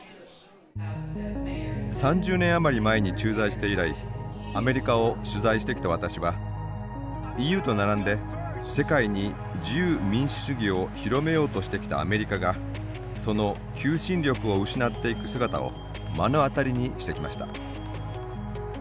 ３０年余り前に駐在して以来アメリカを取材してきた私はＥＵと並んで世界に自由民主主義を広めようとしてきたアメリカがその求心力を失っていく姿を目の当たりにしてきました。